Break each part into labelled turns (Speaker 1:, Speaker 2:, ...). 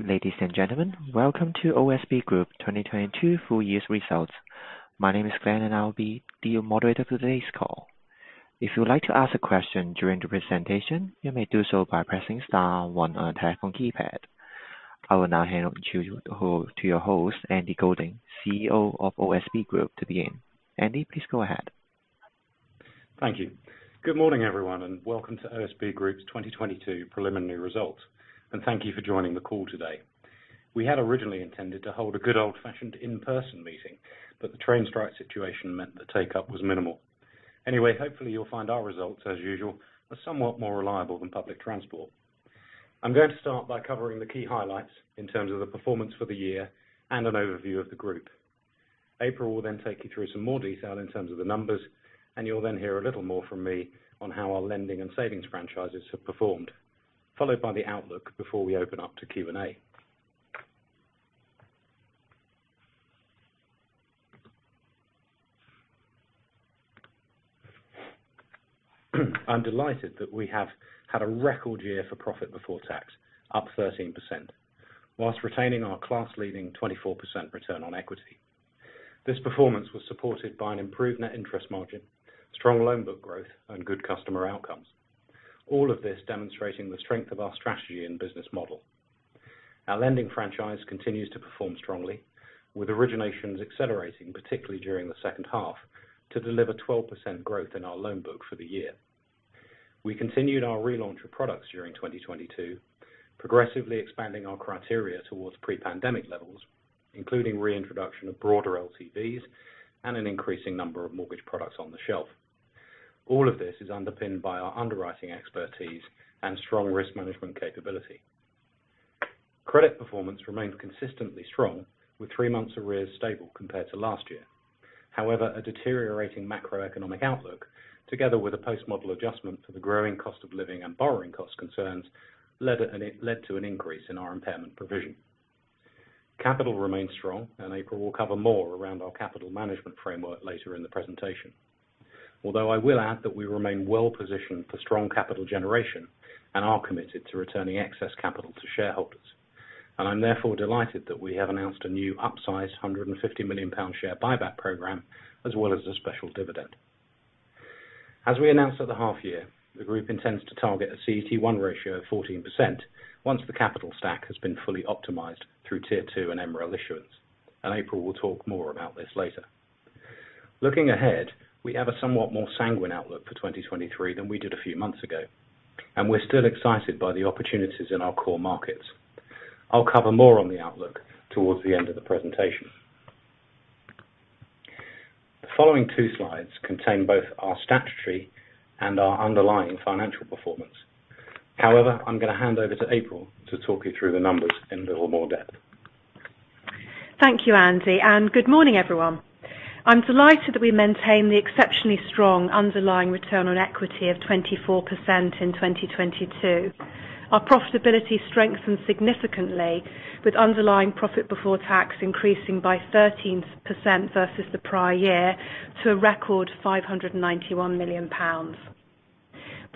Speaker 1: Ladies and gentlemen, welcome to OSB Group 2022 full year results. My name is Glenn. I'll be the moderator for today's call. If you would like to ask a question during the presentation, you may do so by pressing star one on your telephone keypad. I will now hand over to your host, Andy Golding, CEO of OSB Group to begin. Andy, please go ahead.
Speaker 2: Thank you. Good morning, everyone, and welcome to OSB Group's 2022 preliminary results, and thank you for joining the call today. We had originally intended to hold a good old-fashioned in-person meeting, but the train strike situation meant the take-up was minimal. Hopefully, you'll find our results, as usual, are somewhat more reliable than public transport. I'm going to start by covering the key highlights in terms of the performance for the year and an overview of the group. April will then take you through some more detail in terms of the numbers, and you'll then hear a little more from me on how our lending and savings franchises have performed, followed by the outlook before we open up to Q&A. I'm delighted that we have had a record year for profit before tax, up 13%, whilst retaining our class leading 24% return on equity. This performance was supported by an improved net interest margin, strong loan book growth, and good customer outcomes. All of this demonstrating the strength of our strategy and business model. Our lending franchise continues to perform strongly, with originations accelerating, particularly during the second half, to deliver 12% growth in our loan book for the year. We continued our relaunch of products during 2022, progressively expanding our criteria towards pre-pandemic levels, including reintroduction of broader LTVs and an increasing number of mortgage products on the shelf. All of this is underpinned by our underwriting expertise and strong risk management capability. Credit performance remained consistently strong, with three months of arrears stable compared to last year. However, a deteriorating macroeconomic outlook, together with a post-model adjustment for the growing cost of living and borrowing cost concerns, led to an increase in our impairment provision. Capital remains strong. April will cover more around our capital management framework later in the presentation. Although I will add that we remain well positioned for strong capital generation and are committed to returning excess capital to shareholders. I'm therefore delighted that we have announced a new upsize 150 million pound share buyback program, as well as a special dividend. As we announced at the half year, the group intends to target a CET1 ratio of 14% once the capital stack has been fully optimized through Tier 2 and MREL issuance. April will talk more about this later. Looking ahead, we have a somewhat more sanguine outlook for 2023 than we did a few months ago, and we're still excited by the opportunities in our core markets. I'll cover more on the outlook towards the end of the presentation. The following two slides contain both our statutory and our underlying financial performance. I'm going to hand over to April to talk you through the numbers in a little more depth.
Speaker 3: Thank you, Andy. Good morning, everyone. I'm delighted that we maintained the exceptionally strong underlying return on equity of 24% in 2022. Our profitability strengthened significantly with underlying profit before tax increasing by 13% versus the prior year to a record 591 million pounds.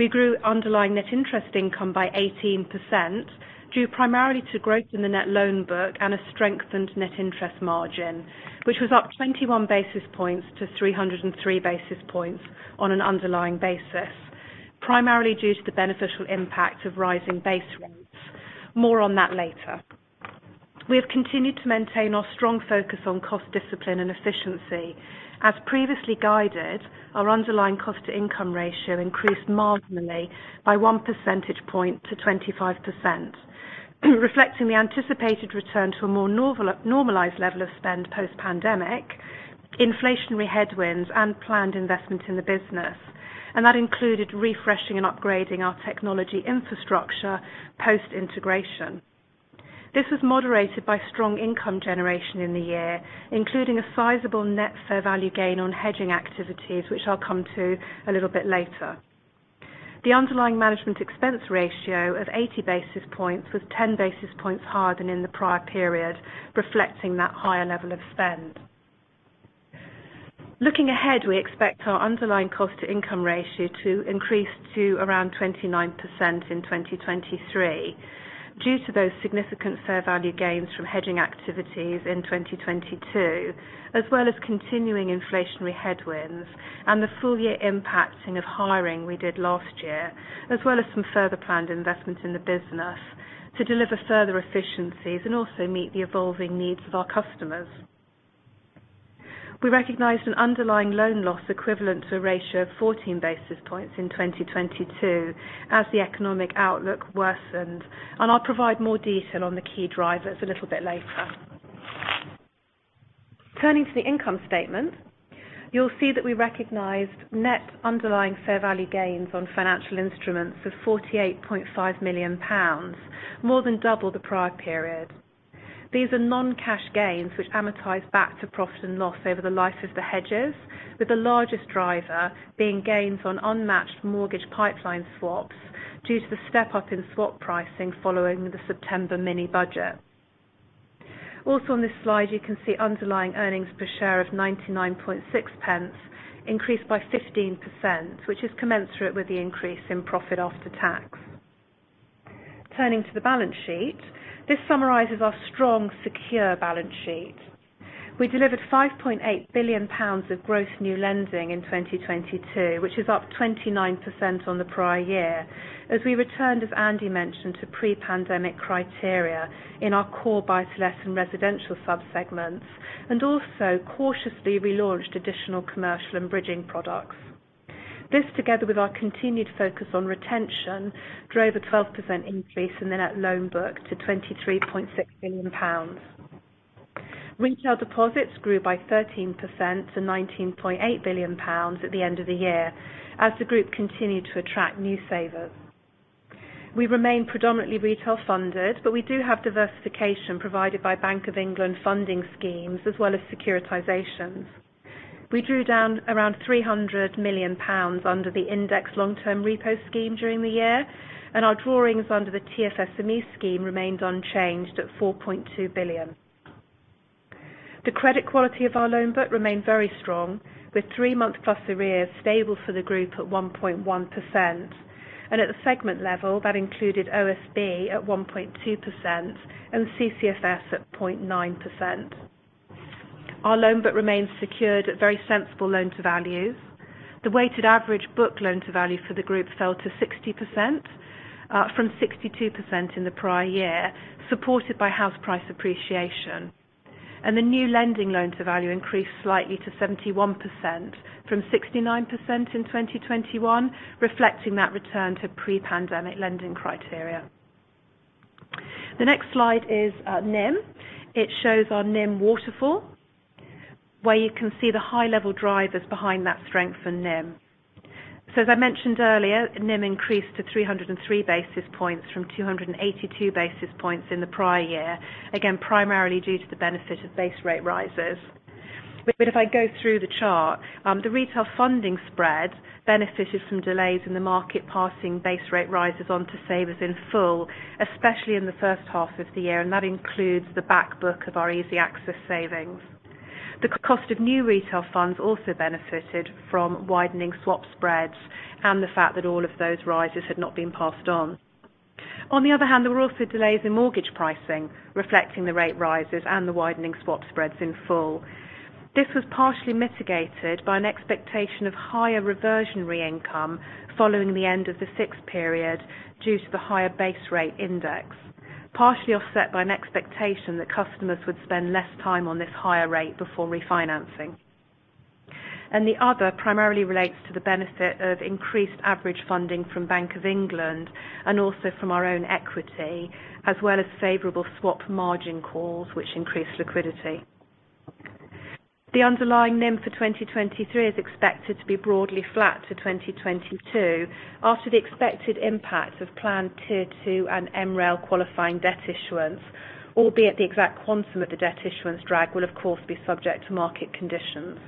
Speaker 3: We grew underlying net interest income by 18%, due primarily to growth in the net loan book and a strengthened net interest margin, which was up 21 basis points to 303 basis points on an underlying basis, primarily due to the beneficial impact of rising base rates. More on that later. We have continued to maintain our strong focus on cost discipline and efficiency. As previously guided, our underlying cost to income ratio increased marginally by 1 percentage point to 25%. Reflecting the anticipated return to a more normalized level of spend post-pandemic, inflationary headwinds and planned investment in the business. That included refreshing and upgrading our technology infrastructure post-integration. This was moderated by strong income generation in the year, including a sizable net fair value gain on hedging activities, which I'll come to a little bit later. The underlying management expense ratio of 80 basis points was 10 basis points higher than in the prior period, reflecting that higher level of spend. Looking ahead, we expect our underlying cost to income ratio to increase to around 29% in 2023 due to those significant fair value gains from hedging activities in 2022, as well as continuing inflationary headwinds and the full year impacting of hiring we did last year. As well as some further planned investments in the business to deliver further efficiencies and also meet the evolving needs of our customers. We recognized an underlying loan loss equivalent to a ratio of 14 basis points in 2022 as the economic outlook worsened. I'll provide more detail on the key drivers a little bit later. Turning to the income statement, you'll see that we recognized net underlying fair value gains on financial instruments of 48.5 million pounds, more than double the prior period. These are non-cash gains which amortize back to profit and loss over the life of the hedges, with the largest driver being gains on unmatched mortgage pipeline swaps due to the step-up in swap pricing following the September mini budget. On this slide, you can see underlying earnings per share of 0.996 increased by 15%, which is commensurate with the increase in profit after tax. Turning to the balance sheet, this summarizes our strong, secure balance sheet. We delivered 5.8 billion pounds of gross new lending in 2022, which is up 29% on the prior year, as we returned, as Andy mentioned, to pre-pandemic criteria in our core buy-to-let and residential sub-segments, and also cautiously relaunched additional commercial and bridging products. This, together with our continued focus on retention, drove a 12% increase in the net loan book to 23.6 billion pounds. Retail deposits grew by 13% to 19.8 billion pounds at the end of the year as the group continued to attract new savers. We remain predominantly retail funded, we do have diversification provided by Bank of England funding schemes as well as securitizations. We drew down around 300 million pounds under the Indexed Long-Term Repo scheme during the year, our drawings under the TFSME scheme remained unchanged at 4.2 billion. The credit quality of our loan book remained very strong, with three-month-plus arrears stable for the group at 1.1%. At the segment level, that included OSB at 1.2% and CCFS at 0.9%. Our loan book remains secured at very sensible loan to values. The weighted average book loan to value for the group fell to 60% from 62% in the prior year, supported by house price appreciation. The new lending loan to value increased slightly to 71% from 69% in 2021, reflecting that return to pre-pandemic lending criteria. The next slide is NIM. It shows our NIM waterfall, where you can see the high level drivers behind that strength in NIM. As I mentioned earlier, NIM increased to 303 basis points from 282 basis points in the prior year. Again, primarily due to the benefit of base rate rises. If I go through the chart, the retail funding spread benefited from delays in the market passing base rate rises on to savers in full, especially in the first half of the year, and that includes the back book of our easy access savings. The cost of new retail funds also benefited from widening swap spreads and the fact that all of those rises had not been passed on. On the other hand, there were also delays in mortgage pricing reflecting the rate rises and the widening swap spreads in full. This was partially mitigated by an expectation of higher reversionary income following the end of the sixth period due to the higher base rate index, partially offset by an expectation that customers would spend less time on this higher rate before refinancing. The other primarily relates to the benefit of increased average funding from Bank of England and also from our own equity, as well as favorable swap margin calls, which increased liquidity. The underlying NIM for 2023 is expected to be broadly flat to 2022 after the expected impact of Plan Tier 2 and MREL qualifying debt issuance, albeit the exact quantum of the debt issuance drag will, of course, be subject to market conditions.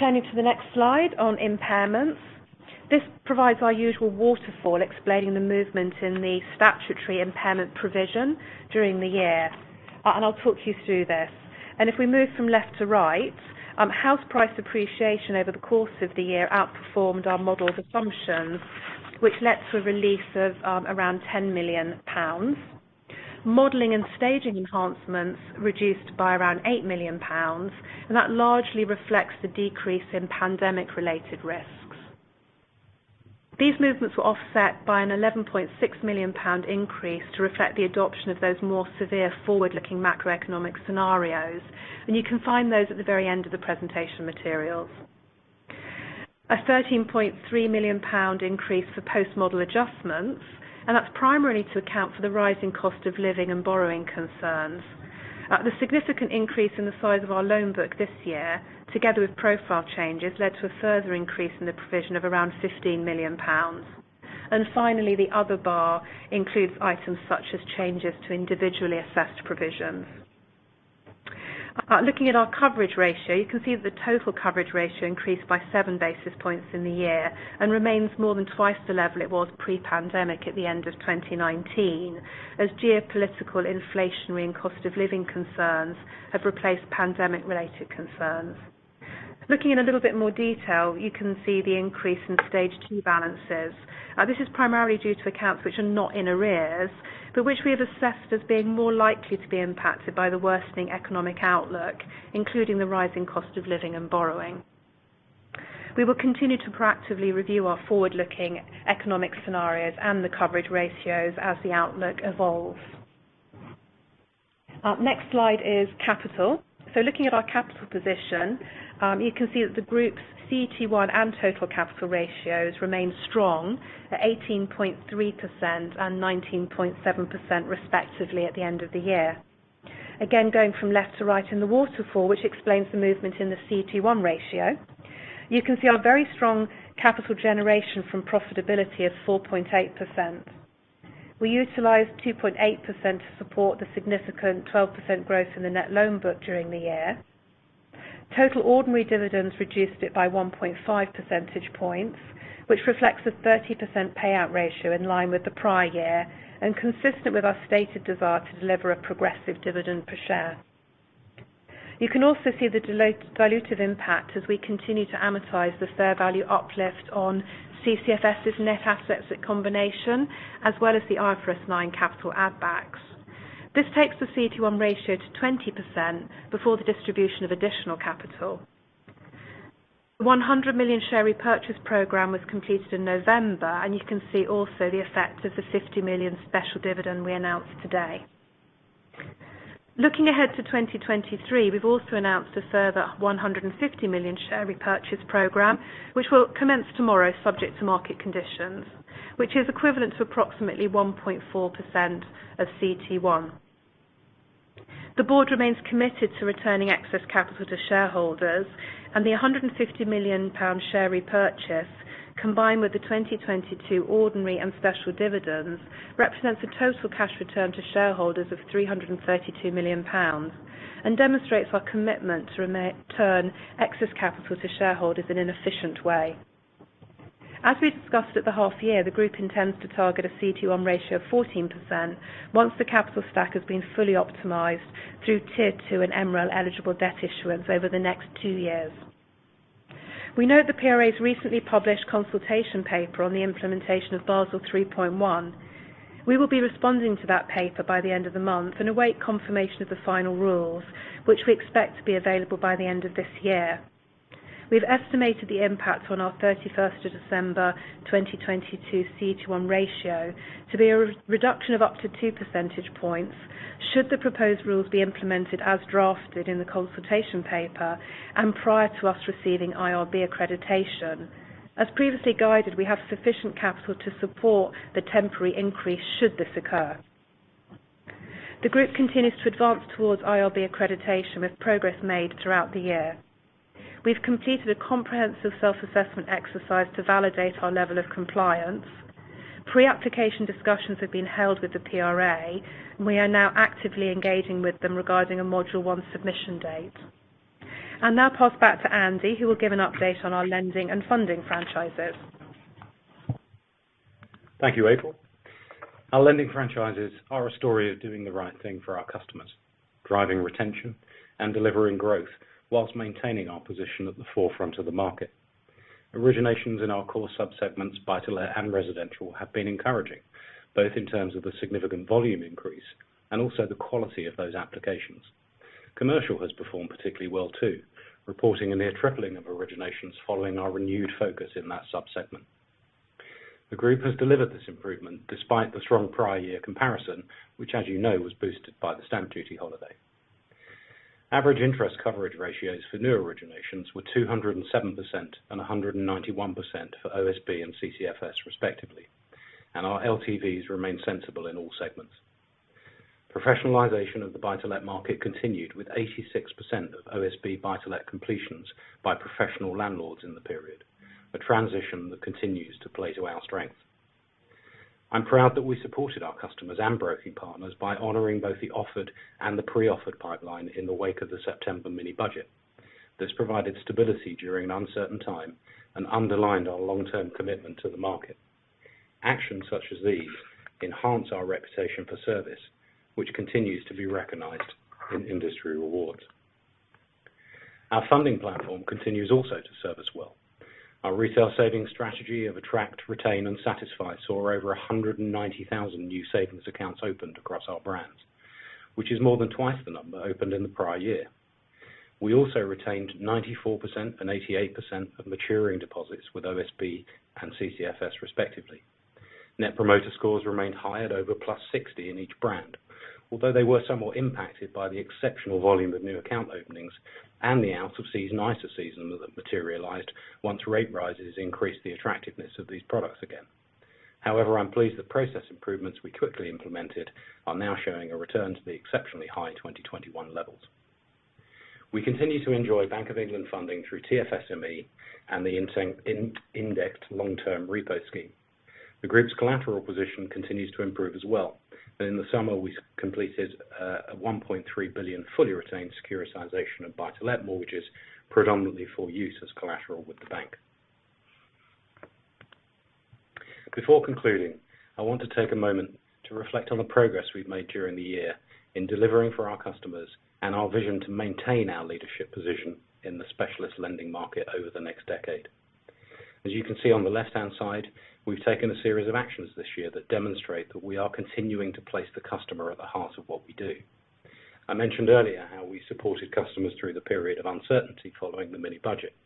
Speaker 3: Turning to the next slide on impairments. This provides our usual waterfall explaining the movement in the statutory impairment provision during the year. I'll talk you through this. If we move from left to right, house price appreciation over the course of the year outperformed our model's assumptions, which led to a release of around 10 million pounds. Modeling and staging enhancements reduced by around 8 million pounds, that largely reflects the decrease in pandemic-related risks. These movements were offset by a 11.6 million pound increase to reflect the adoption of those more severe forward-looking macroeconomic scenarios. You can find those at the very end of the presentation materials. A 13.3 million pound increase for post-model adjustments, that's primarily to account for the rising cost of living and borrowing concerns. The significant increase in the size of our loan book this year, together with profile changes, led to a further increase in the provision of around 15 million pounds. Finally, the other bar includes items such as changes to individually assessed provisions. Looking at our coverage ratio, you can see that the total coverage ratio increased by 7 basis points in the year and remains more than twice the level it was pre-pandemic at the end of 2019, as geopolitical, inflationary, and cost of living concerns have replaced pandemic related concerns. Looking in a little bit more detail, you can see the increase in stage two balances. This is primarily due to accounts which are not in arrears, but which we have assessed as being more likely to be impacted by the worsening economic outlook, including the rising cost of living and borrowing. We will continue to proactively review our forward-looking economic scenarios and the coverage ratios as the outlook evolves. Next slide is capital. Looking at our capital position, you can see that the group's CET1 and total capital ratios remain strong at 18.3% and 19.7% respectively at the end of the year. Again, going from left to right in the waterfall, which explains the movement in the CET1 ratio. You can see our very strong capital generation from profitability of 4.8%. We utilized 2.8% to support the significant 12% growth in the net loan book during the year. Total ordinary dividends reduced it by 1.5 percentage points, which reflects a 30% payout ratio in line with the prior year and consistent with our stated desire to deliver a progressive dividend per share. You can also see the dilative impact as we continue to amortize this fair value uplift on CCFS' net assets at combination, as well as the IFRS 9 capital add backs. This takes the CET1 ratio to 20% before the distribution of additional capital. 100 million share repurchase program was completed in November, and you can see also the effect of the 50 million special dividend we announced today. Looking ahead to 2023, we've also announced a further 150 million share repurchase program, which will commence tomorrow subject to market conditions, which is equivalent to approximately 1.4% of CET1. The board remains committed to returning excess capital to shareholders and the 150 million pound share repurchase, combined with the 2022 ordinary and special dividends, represents a total cash return to shareholders of 332 million pounds, and demonstrates our commitment to return excess capital to shareholders in an efficient way. As we discussed at the half year, the group intends to target a CET1 ratio of 14% once the capital stack has been fully optimized through Tier 2 and MREL eligible debt issuance over the next two years. We know the PRA's recently published consultation paper on the implementation of Basel 3.1. We will be responding to that paper by the end of the month and await confirmation of the final rules, which we expect to be available by the end of this year. We've estimated the impact on our 31st of December 2022 CET1 ratio to be a re-reduction of up to 2 percentage points should the proposed rules be implemented as drafted in the consultation paper and prior to us receiving IRB accreditation. As previously guided, we have sufficient capital to support the temporary increase should this occur. The group continues to advance towards IRB accreditation with progress made throughout the year. We've completed a comprehensive self-assessment exercise to validate our level of compliance. Pre-application discussions have been held with the PRA, and we are now actively engaging with them regarding a Module One submission date. I'll now pass back to Andy, who will give an update on our lending and funding franchises.
Speaker 2: Thank you, April. Our lending franchises are a story of doing the right thing for our customers, driving retention and delivering growth while maintaining our position at the forefront of the market. Originations in our core sub-segments, buy-to-let and residential have been encouraging, both in terms of the significant volume increase and also the quality of those applications. Commercial has performed particularly well, too, reporting a near tripling of originations following our renewed focus in that sub-segment. The group has delivered this improvement despite the strong prior year comparison, which, as you know, was boosted by the stamp duty holiday. Average interest coverage ratios for new originations were 207% and 191% for OSB and CCFS, respectively. Our LTVs remain sensible in all segments. Professionalization of the buy-to-let market continued with 86% of OSB buy-to-let completions by professional landlords in the period, a transition that continues to play to our strength. I'm proud that we supported our customers and broking partners by honoring both the offered and the pre-offered pipeline in the wake of the September mini budget. This provided stability during an uncertain time and underlined our long-term commitment to the market. Actions such as these enhance our reputation for service, which continues to be recognized in industry rewards. Our funding platform continues also to serve us well. Our retail savings strategy of attract, retain, and satisfy saw over 190,000 new savings accounts opened across our brands, which is more than twice the number opened in the prior year. We also retained 94% and 88% of maturing deposits with OSB and CCFS, respectively. Net promoter scores remained high at over +60 in each brand, although they were somewhat impacted by the exceptional volume of new account openings and the out of season ISA season that materialized once rate rises increased the attractiveness of these products again. However, I'm pleased the process improvements we quickly implemented are now showing a return to the exceptionally high 2021 levels. We continue to enjoy Bank of England funding through TFSME and the Indexed Long-Term Repo scheme. The group's collateral position continues to improve as well. In the summer, we completed a 1.3 billion fully retained securitization of buy-to-let mortgages, predominantly for use as collateral with the bank. Before concluding, I want to take a moment to reflect on the progress we've made during the year in delivering for our customers and our vision to maintain our leadership position in the specialist lending market over the next decade. You can see on the left-hand side, we've taken a series of actions this year that demonstrate that we are continuing to place the customer at the heart of what we do. I mentioned earlier how we supported customers through the period of uncertainty following the mini budget.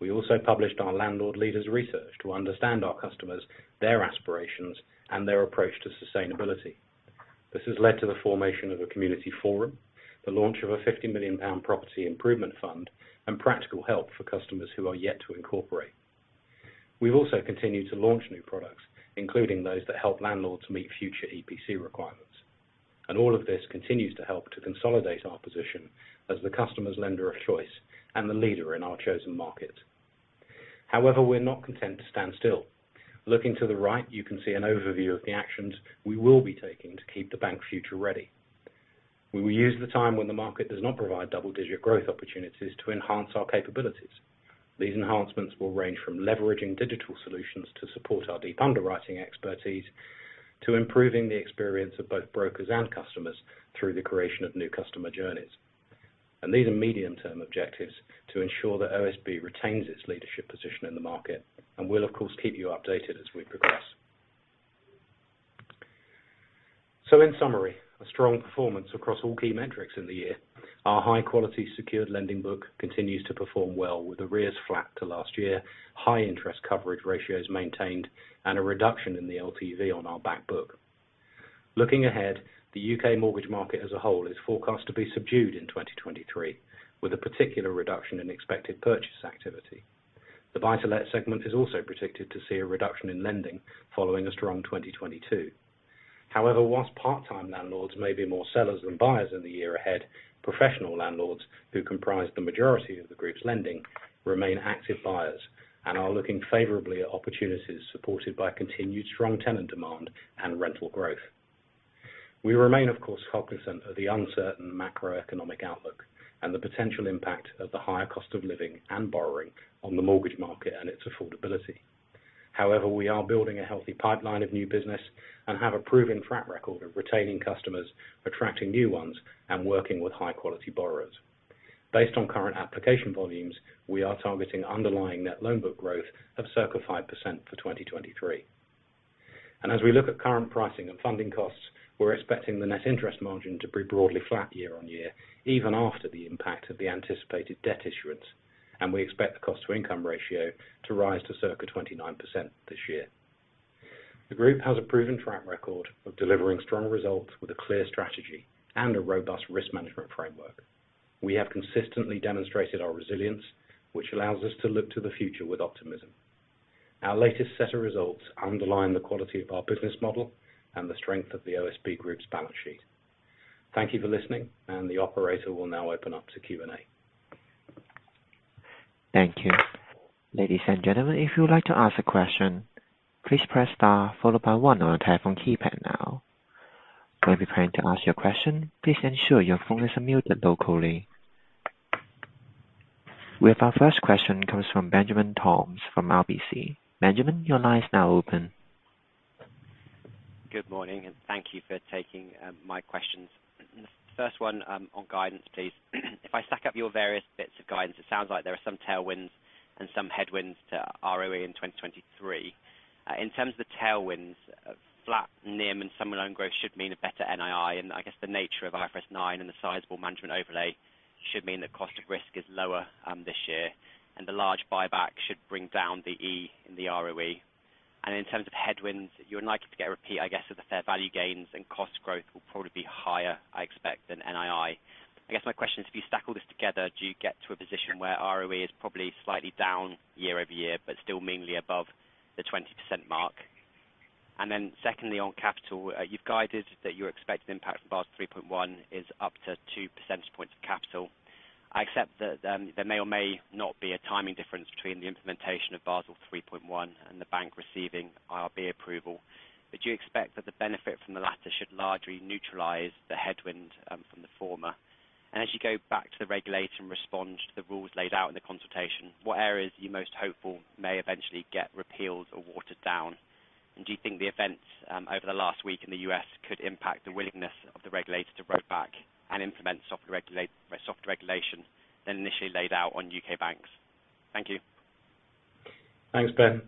Speaker 2: We also published our Landlord Leaders research to understand our customers, their aspirations, and their approach to sustainability. This has led to the formation of a community forum, the launch of a 50 million pound property improvement fund, and practical help for customers who are yet to incorporate. We've also continued to launch new products, including those that help landlords meet future EPC requirements. All of this continues to help to consolidate our position as the customer's lender of choice and the leader in our chosen market. However, we're not content to stand still. Looking to the right, you can see an overview of the actions we will be taking to keep the bank future ready. We will use the time when the market does not provide double-digit growth opportunities to enhance our capabilities. These enhancements will range from leveraging digital solutions to support our deep underwriting expertise, to improving the experience of both brokers and customers through the creation of new customer journeys. These are medium-term objectives to ensure that OSB retains its leadership position in the market, and we'll of course, keep you updated as we progress. In summary, a strong performance across all key metrics in the year. Our high quality secured lending book continues to perform well with the arrears flat to last year. High interest coverage ratios maintained, and a reduction in the LTV on our back book. Looking ahead, the U.K. mortgage market as a whole is forecast to be subdued in 2023, with a particular reduction in expected purchase activity. The buy-to-let segment is also predicted to see a reduction in lending following a strong 2022. However, whilst part-time landlords may be more sellers than buyers in the year ahead, professional landlords who comprise the majority of the group's lending remain active buyers and are looking favorably at opportunities supported by continued strong tenant demand and rental growth. We remain, of course, focused on the uncertain macroeconomic outlook and the potential impact of the higher cost of living and borrowing on the mortgage market and its affordability. However, we are building a healthy pipeline of new business and have a proven track record of retaining customers, attracting new ones, and working with high quality borrowers. Based on current application volumes, we are targeting underlying net loan book growth of circa 5% for 2023. As we look at current pricing and funding costs, we're expecting the net interest margin to be broadly flat year-on-year, even after the impact of the anticipated debt issuance. We expect the cost to income ratio to rise to circa 29% this year. The group has a proven track record of delivering strong results with a clear strategy and a robust risk management framework. We have consistently demonstrated our resilience, which allows us to look to the future with optimism. Our latest set of results underline the quality of our business model and the strength of the OSB Group's balance sheet. Thank you for listening. The operator will now open up to Q&A.
Speaker 1: Thank you. Ladies and gentlemen, if you would like to ask a question, please press star followed by one on your telephone keypad now. When preparing to ask your question, please ensure your phone is on mute locally. We have our first question comes from Benjamin Toms from RBC. Benjamin, your line is now open.
Speaker 4: Good morning, and thank you for taking my questions. First one, on guidance, please. If I stack up your various bits of guidance, it sounds like there are some tailwinds and some headwinds to ROE in 2023. In terms of the tailwinds, flat NIM and some loan growth should mean a better NII. I guess the nature of IFRS 9 and the sizable management overlay should mean that cost of risk is lower this year, and the large buyback should bring down the E in the ROE. In terms of headwinds, you're likely to get a repeat, I guess, of the fair value gains and cost growth will probably be higher, I expect, than NII. I guess my question is if you stack all this together, do you get to a position where ROE is probably slightly down year-over-year, but still mainly above the 20% mark? Secondly, on capital, you've guided that you expect an impact from Basel 3.1 is up to 2 percentage points of capital. I accept that there may or may not be a timing difference between the implementation of Basel 3.1 and the bank receiving IRB approval. Do you expect that the benefit from the latter should largely neutralize the headwind from the former? As you go back to the regulator and respond to the rules laid out in the consultation, what areas are you most hopeful may eventually get repealed or watered down? Do you think the events over the last week in the U.S. could impact the willingness of the regulator to roll back and implement soft regulation than initially laid out on U.K. banks? Thank you.
Speaker 2: Thanks, Ben.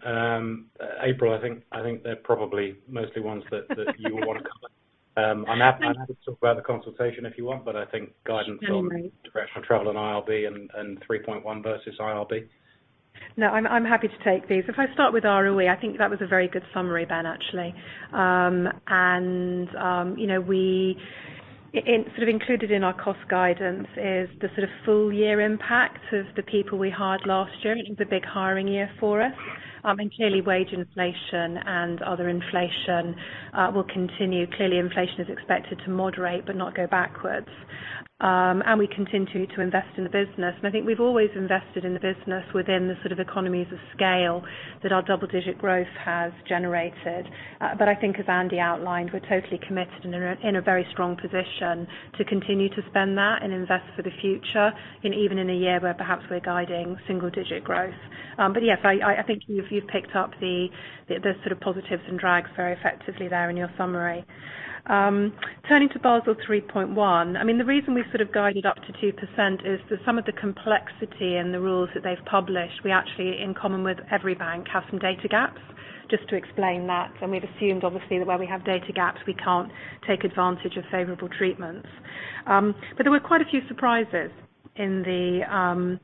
Speaker 2: April, I think they're probably mostly ones that you would want to cover. I'm happy to talk about the consultation if you want, but I think guidance on directional travel and IRB and 3.1 versus IRB.
Speaker 3: No, I'm happy to take these. If I start with ROE. I think that was a very good summary, Ben, actually. you know, included in our cost guidance is the sort of full year impact of the people we hired last year. It was a big hiring year for us. clearly wage inflation and other inflation will continue. Clearly inflation is expected to moderate but not go backwards. we continue to invest in the business. I think we've always invested in the business within the sort of economies of scale that our double-digit growth has generated. I think as Andy outlined, we're totally committed and are in a very strong position to continue to spend that and invest for the future in even in a year where perhaps we're guiding single digit growth. Yes, I think you've picked up the sort of positives and drags very effectively there in your summary. Turning to Basel 3.1. I mean, the reason we've sort of guided up to 2% is that some of the complexity in the rules that they've published, we actually, in common with every bank, have some data gaps. Just to explain that, we've assumed obviously, that where we have data gaps, we can't take advantage of favorable treatments. There were quite a few surprises in the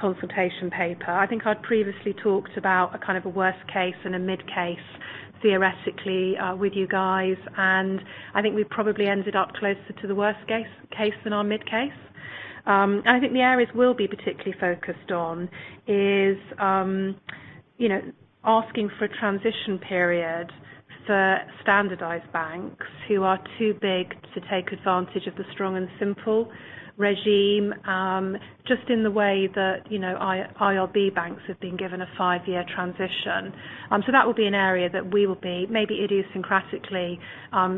Speaker 3: consultation paper. I think I'd previously talked about a kind of a worst case and a mid case theoretically with you guys. I think we probably ended up closer to the worst case than our mid case. I think the areas we'll be particularly focused on is asking for a transition period for standardized banks who are too big to take advantage of the Strong and Simple regime, just in the way that IRB banks have been given a five-year transition. That will be an area that we will be, maybe idiosyncratically,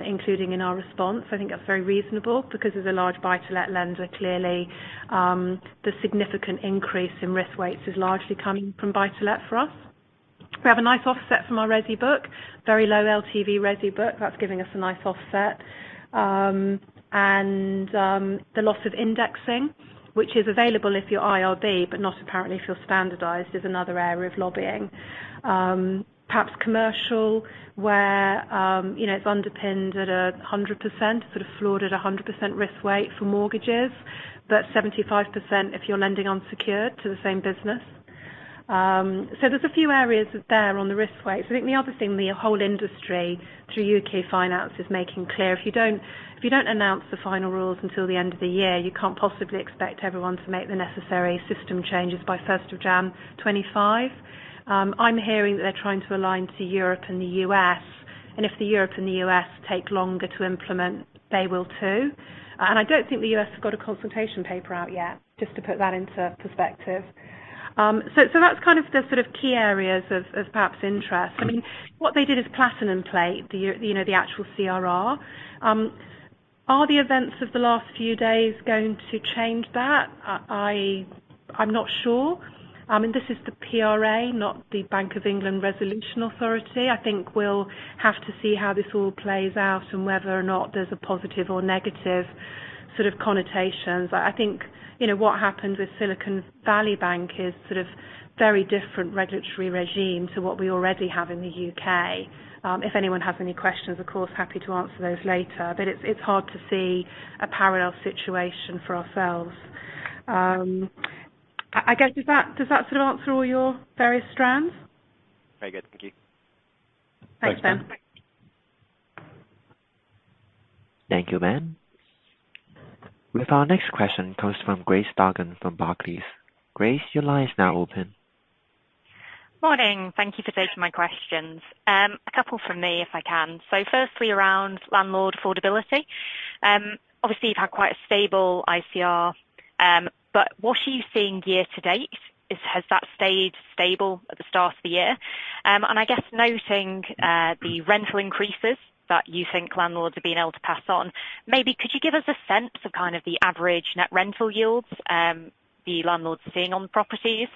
Speaker 3: including in our response. I think that's very reasonable because as a large buy-to-let lender, clearly, the significant increase in risk weights is largely coming from buy-to-let for us. We have a nice offset from our resi book, very low LTV resi book that's giving us a nice offset. The loss of indexing, which is available if you're IRB, but not apparently if you're standardized, is another area of lobbying. Perhaps commercial, where, you know, it's underpinned at a 100%, sort of floored at a 100% risk weight for mortgages. 75% if you're lending unsecured to the same business. There's a few areas there on the risk weight. I think the other thing the whole industry through UK Finance is making clear, if you don't, if you don't announce the final rules until the end of the year, you can't possibly expect everyone to make the necessary system changes by 1st of January 2025. I'm hearing that they're trying to align to Europe and the U.S., and if the Europe and the U.S. take longer to implement, they will too. I don't think the U.S. has got a consultation paper out yet, just to put that into perspective. That's kind of the sort of key areas of perhaps interest. I mean, what they did is platinum plate the, you know, the actual CRR. Are the events of the last few days going to change that? I'm not sure. I mean, this is the PRA, not the Bank of England Resolution Authority. I think we'll have to see how this all plays out and whether or not there's a positive or negative sort of connotations. I think, you know, what happened with Silicon Valley Bank is sort of very different regulatory regime to what we already have in the U.K. If anyone has any questions, of course happy to answer those later, but it's hard to see a parallel situation for ourselves. I guess, does that sort of answer all your various strands?
Speaker 4: Very good. Thank you.
Speaker 3: Thanks, Ben.
Speaker 2: Thank you.
Speaker 1: Thank you, Ben. With our next question comes from Grace Dargan from Barclays. Grace, your line is now open.
Speaker 5: Morning. Thank you for taking my questions. A couple from me if I can. Firstly, around landlord affordability, obviously you've had quite a stable ICR. What are you seeing year to date? Has that stayed stable at the start of the year? I guess noting, the rental increases that you think landlords have been able to pass on, maybe could you give us a sense of kind of the average net rental yields, the landlords are seeing on properties?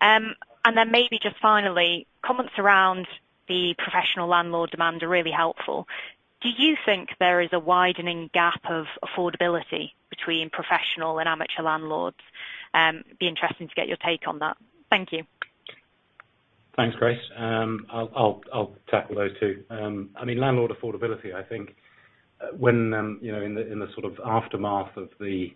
Speaker 5: Then maybe just finally, comments around the professional landlord demand are really helpful. Do you think there is a widening gap of affordability between professional and amateur landlords? Be interesting to get your take on that. Thank you.
Speaker 2: Thanks, Grace. I'll tackle those two. I mean, landlord affordability, I think when, you know, in the, in the sort of aftermath of the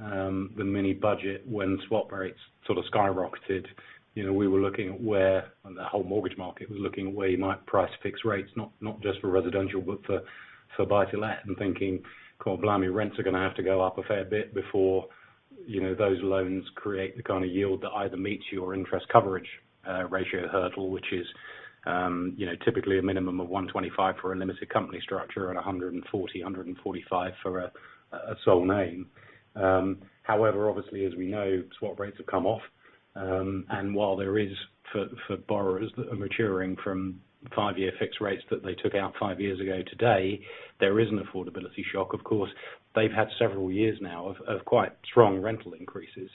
Speaker 2: mini budget when swap rates sort of skyrocketed, you know, we were looking at where the whole mortgage market was looking at where you might price fixed rates, not just for residential but for buy-to-let, and thinking, cor blimey, rents are gonna have to go up a fair bit before, you know, those loans create the kind of yield that either meets your interest coverage ratio hurdle, which is, typically a minimum of 125 for a limited company structure and 140, 145 for a sole name. Obviously as we know, swap rates have come off. While there is for borrowers that are maturing from five-year fixed rates that they took out five years ago today, there is an affordability shock of course. They've had several years now of quite strong rental increases.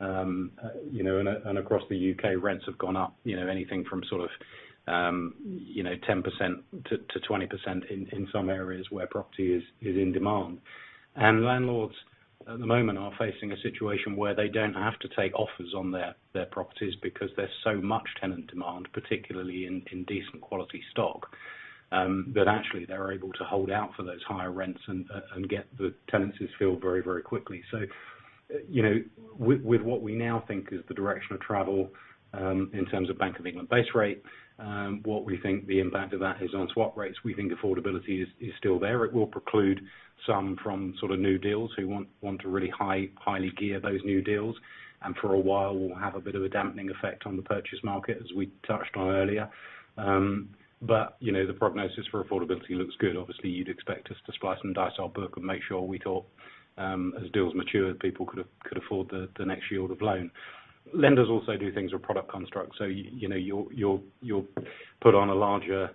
Speaker 2: You know, across the U.K. rents have gone up, you know, anything from sort of, you know, 10%-20% in some areas where property is in demand. Landlords at the moment are facing a situation where they don't have to take offers on their properties because there's so much tenant demand, particularly in decent quality stock, that actually they're able to hold out for those higher rents and get the tenancies filled very, very quickly. You know, with what we now think is the direction of travel, in terms of Bank of England base rate, what we think the impact of that is on swap rates, we think affordability is still there. It will preclude some from sort of new deals who want to really highly gear those new deals, and for a while will have a bit of a dampening effect on the purchase market as we touched on earlier. You know, the prognosis for affordability looks good. Obviously, you'd expect us to slice and dice our book and make sure we thought, as deals matured, people could afford the next yield of loan. Lenders also do things with product construct. You know, you'll put on a larger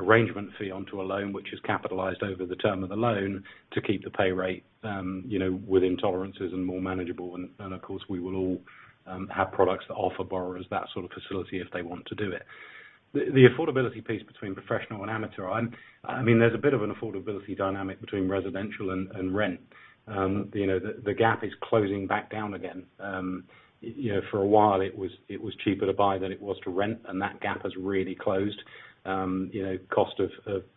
Speaker 2: arrangement fee onto a loan, which is capitalized over the term of the loan to keep the pay rate, you know, within tolerances and more manageable. Of course we will all have products that offer borrowers that sort of facility if they want to do it. The affordability piece between professional and amateur, I mean, there's a bit of an affordability dynamic between residential and rent. You know, the gap is closing back down again. You know, for a while it was cheaper to buy than it was to rent, and that gap has really closed. You know, cost of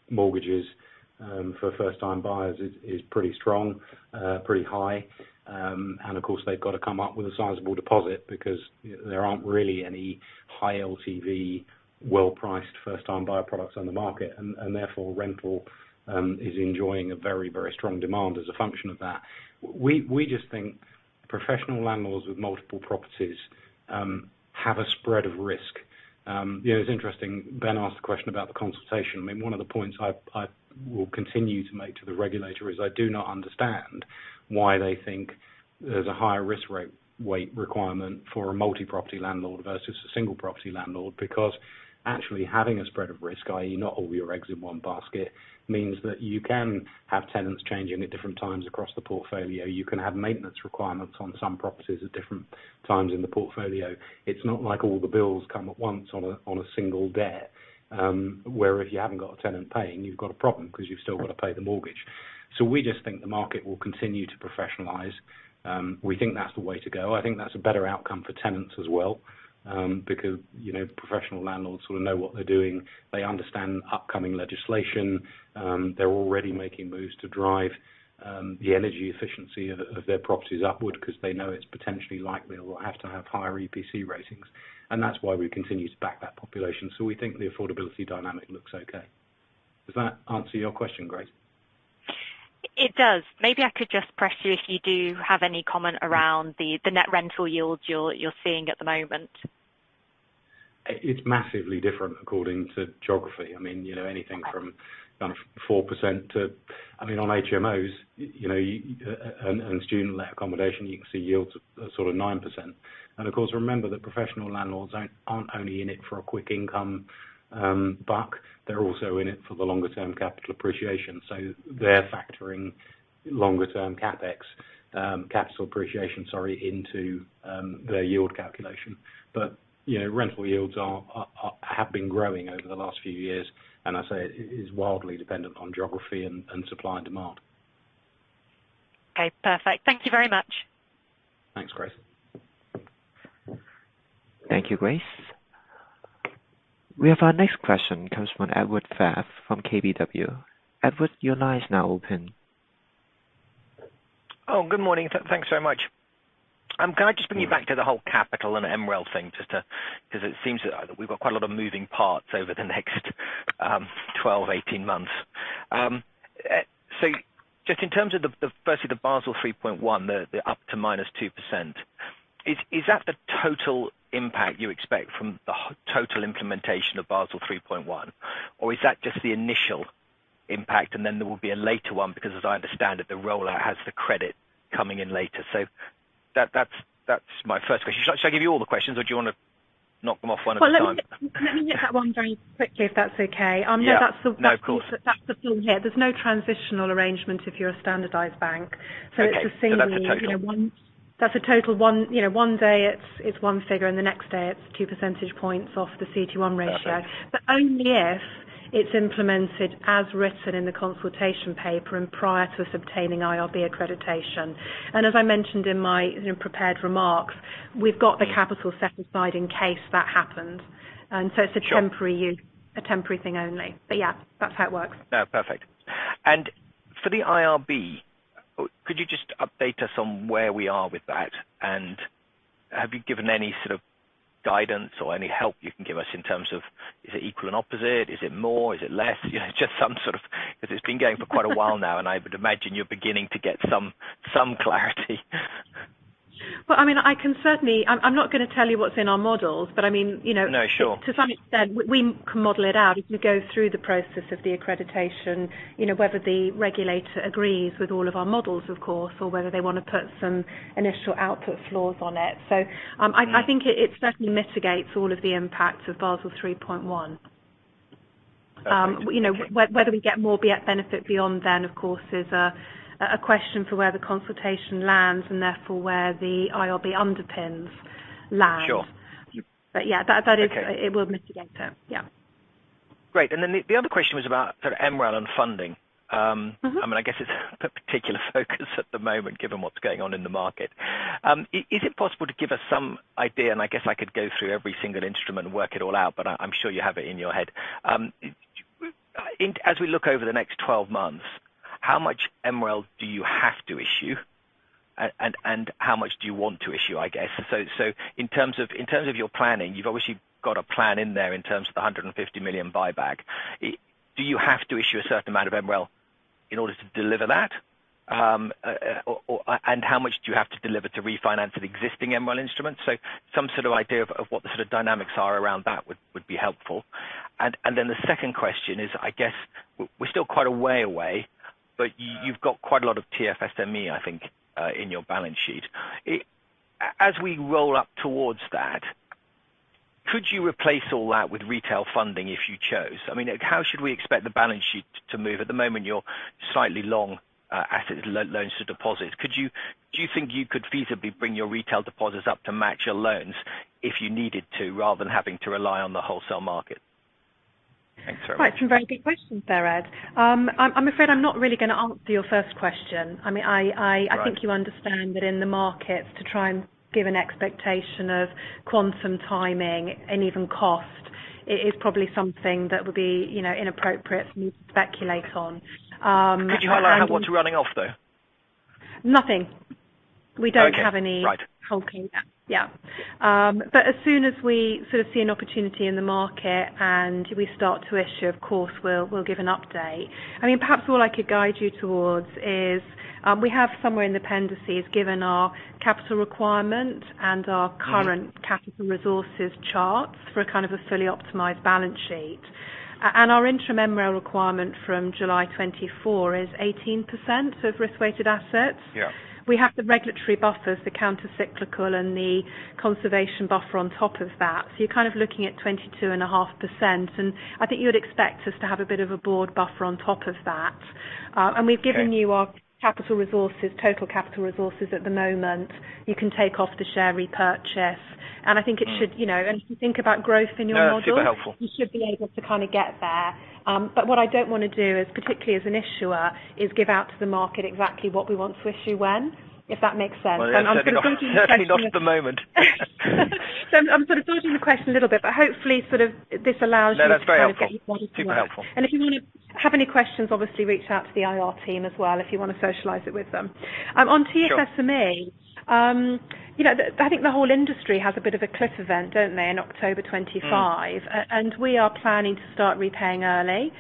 Speaker 2: mortgages for first time buyers is pretty strong, pretty high. Of course, they've got to come up with a sizable deposit because there aren't really any high LTV, well-priced first time buyer products on the market. Therefore rental is enjoying a very, very strong demand as a function of that. We just think professional landlords with multiple properties have a spread of risk. You know, it's interesting, Ben asked a question about the consultation. I mean, one of the points I will continue to make to the regulator is I do not understand why they think there's a higher risk weight requirement for a multi-property landlord versus a single property landlord. Because actually having a spread of risk, i.e., not all your eggs in one basket, means that you can have tenants changing at different times across the portfolio. You can have maintenance requirements on some properties at different times in the portfolio. It's not like all the bills come at once on a single day, where if you haven't got a tenant paying, you've got a problem because you've still got to pay the mortgage. We just think the market will continue to professionalize. We think that's the way to go. I think that's a better outcome for tenants as well, because, you know, professional landlords will know what they're doing. They understand upcoming legislation. They're already making moves to drive the energy efficiency of their properties upward because they know it's potentially likely we'll have to have higher EPC ratings. And that's why we continue to back that population. So we think the affordability dynamic looks okay. Does that answer your question, Grace?
Speaker 5: It does. Maybe I could just press you if you do have any comment around the net rental yields you're seeing at the moment?
Speaker 2: It's massively different according to geography. I mean, you know, anything from 4% to. I mean, on HMOs, you know, you on student accommodation, you can see yields of sort of 9%. Of course, remember that professional landlords aren't only in it for a quick income buck, they're also in it for the longer-term capital appreciation. They're factoring longer-term CapEx, capital appreciation, sorry, into their yield calculation. You know, rental yields are have been growing over the last few years, and I say it is wildly dependent on geography and supply and demand.
Speaker 5: Okay, perfect. Thank you very much.
Speaker 2: Thanks, Grace.
Speaker 1: Thank you, Grace. We have our next question comes from Edward Firth from KBW. Edward, your line is now open.
Speaker 6: Good morning. Thanks so much. Can I just bring you back to the whole capital and MREL thing? Just because it seems that we've got quite a lot of moving parts over the next 12, 18 months. So just in terms of the firstly, the Basel 3.1, the up to -2%. Is that the total impact you expect from the total implementation of Basel 3.1? Or is that just the initial impact and then there will be a later one? Because as I understand it, the rollout has the credit coming in later. That's my first question. Shall I give you all the questions or do you want to knock them off one at a time?
Speaker 3: Well, let me get that one very quickly, if that's okay.
Speaker 6: Yeah.
Speaker 3: Um, that's the.
Speaker 6: No, of course.
Speaker 3: That's the theme here. There's no transitional arrangement if you're a standardized bank.
Speaker 6: Okay.
Speaker 3: It's the same.
Speaker 6: That's a total.
Speaker 3: You know, That's a total. One, you know, one day it's one figure. The next day it's 2 percentage points off the CET1 ratio.
Speaker 6: Perfect.
Speaker 3: Only if it's implemented as written in the consultation paper and prior to us obtaining IRB accreditation. As I mentioned in my, you know, prepared remarks, we've got the capital set aside in case that happens.
Speaker 6: Sure.
Speaker 3: Temporary use. A temporary thing only. Yeah, that's how it works.
Speaker 6: No, perfect. For the IRB, could you just update us on where we are with that? Have you given any sort of guidance or any help you can give us in terms of is it equal and opposite? Is it more, is it less? You know, just some sort of. Because it's been going for quite a while now, and I would imagine you're beginning to get some clarity.
Speaker 3: I mean, I can certainly, I'm not gonna tell you what's in our models, but I mean, you know.
Speaker 6: No, sure.
Speaker 3: To some extent, we can model it out as we go through the process of the accreditation. You know, whether the regulator agrees with all of our models, of course, or whether they want to put some initial output flaws on it. I think it certainly mitigates all of the impacts of Basel 3.1.
Speaker 6: Perfect. Thank you.
Speaker 3: You know, whether we get more benefit beyond then, of course, is a question for where the consultation lands and therefore where the IRB underpins lands.
Speaker 6: Sure.
Speaker 3: Yeah, that.
Speaker 6: Okay.
Speaker 3: It will mitigate it. Yeah.
Speaker 6: Great. Then the other question was about sort of MREL and funding.
Speaker 3: Mm-hmm.
Speaker 6: I mean, I guess it's a particular focus at the moment, given what's going on in the market. Is it possible to give us some idea, and I guess I could go through every single instrument and work it all out, but I'm sure you have it in your head. As we look over the next 12 months, how much MREL do you have to issue and how much do you want to issue, I guess? So in terms of, in terms of your planning, you've obviously got a plan in there in terms of the 150 million buyback. Do you have to issue a certain amount of MREL in order to deliver that? How much do you have to deliver to refinance the existing MREL instruments? Some sort of idea of what the sort of dynamics are around that would be helpful. Then the second question is, I guess we're still quite a way away, but you've got quite a lot of TFSME, I think, in your balance sheet. As we roll up towards that, could you replace all that with retail funding if you chose? I mean, how should we expect the balance sheet to move? At the moment, you're slightly long, assets, loans to deposits. Do you think you could feasibly bring your retail deposits up to match your loans if you needed to, rather than having to rely on the wholesale market? Thanks very much.
Speaker 3: Right. Some very good questions there, Ed. I'm afraid I'm not really gonna answer your first question. I mean.
Speaker 6: Right.
Speaker 3: I think you understand that in the markets, to try and give an expectation of quantum timing and even cost is probably something that would be, you know, inappropriate for me to speculate on.
Speaker 6: Can you highlight what's running off, though?
Speaker 3: Nothing. We don't have any.
Speaker 6: Okay. Right.
Speaker 3: Yeah. As soon as we sort of see an opportunity in the market and we start to issue, of course, we'll give an update. I mean, perhaps all I could guide you towards is, we have somewhere in the pendencies given our capital requirement and our current capital resources charts for kind of a fully optimized balance sheet. Our interim MREL requirement from July 2024 is 18% of risk-weighted assets.
Speaker 6: Yeah.
Speaker 3: We have the regulatory buffers, the countercyclical and the conservation buffer on top of that. You're kind of looking at 22.5%, and I think you would expect us to have a bit of a broad buffer on top of that. We've given you our capital resources, total capital resources at the moment. You can take off the share repurchase, and I think it should, you know... If you think about growth in your model-
Speaker 6: No, super helpful.
Speaker 3: You should be able to kinda get there. What I don't wanna do is, particularly as an issuer, is give out to the market exactly what we want to issue when, if that makes sense.
Speaker 6: Well, certainly not, certainly not at the moment.
Speaker 3: I'm sort of dodging the question a little bit, but hopefully sort of this allows you.
Speaker 6: No, that's very helpful. Super helpful.
Speaker 3: If you wanna have any questions, obviously reach out to the IR team as well, if you wanna socialize it with them. On TFSME.
Speaker 6: Sure.
Speaker 3: You know, I think the whole industry has a bit of a cliff event, don't they, in October 2025.
Speaker 6: Mm.
Speaker 3: We are planning to start repaying early.